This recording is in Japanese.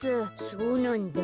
そうなんだ。